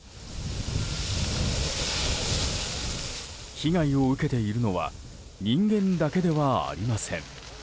被害を受けているのは人間だけではありません。